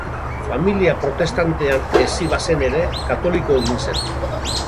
Familia protestantean hezi bazen ere, katoliko egin zen.